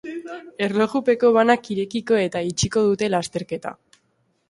Erlojupeko banak irekiko eta itxiko dute lasterketa.